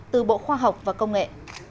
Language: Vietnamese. từ bộ khoa học và công nghệ